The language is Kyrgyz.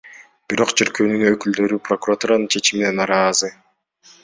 Бирок чиркөөнүн өкүлдөрү прокуратуранын чечимине нааразы.